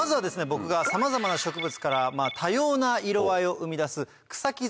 僕がさまざまな植物から多様な色合いを生み出す草木